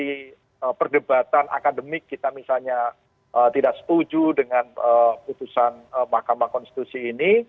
di perdebatan akademik kita misalnya tidak setuju dengan putusan mahkamah konstitusi ini